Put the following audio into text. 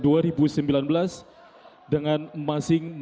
dengan masing masing nomor urut sesuai dengan hasil pengundian